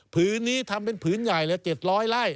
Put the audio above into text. ผืนนี้ทำเป็นผืนใหญ่เลย๗๐๐ไร่